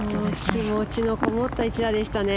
気持ちのこもった１打でしたね。